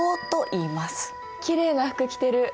きれいな服着てる。